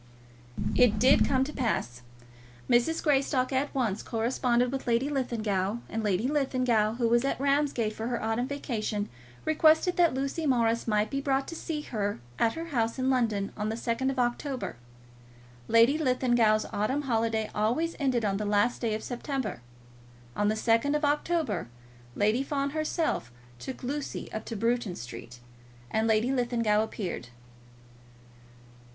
It did come to pass. Mrs. Greystock at once corresponded with Lady Linlithgow, and Lady Linlithgow, who was at Ramsgate for her autumn vacation, requested that Lucy Morris might be brought to see her at her house in London on the 2nd of October. Lady Linlithgow's autumn holiday always ended on the last day of September. On the 2nd of October Lady Fawn herself took Lucy up to Bruton Street, and Lady Linlithgow appeared.